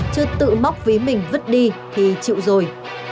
chưa tự móc ví mình vứt đi thì chịu rồi